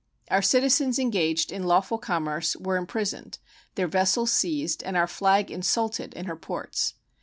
Our citizens engaged in lawful commerce were imprisoned, their vessels seized, and our flag insulted in her ports.